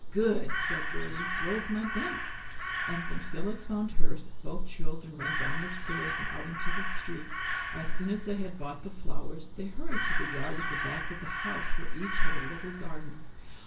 "Good," said Bertie, "where's my bank?" And when Phillis found hers, both children ran down the stairs and out into the street. As soon as they had bought the flowers they hurried to the yard at the back of the house where each had a little garden.